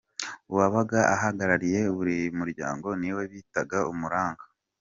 Uwabaga ahagarariye buri muryango niwe bitaga “Umuranga”.